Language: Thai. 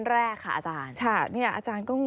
ฮ่าฮ่าฮ่าฮ่าฮ่า